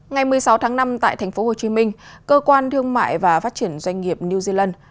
ngày một mươi sáu tháng năm tại tp hcm cơ quan thương mại và phát triển doanh nghiệp new zealand